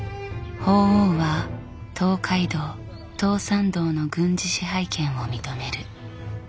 法皇は東海道東山道の軍事支配権を認める。